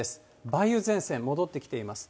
梅雨前線戻ってきています。